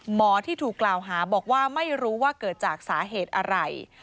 หมอที่ถูกกล่าวหาบอกว่าไม่รู้ว่าเกิดจากสาเหตุอะไร